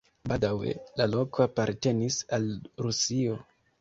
Baldaŭe la loko apartenis al Rusio.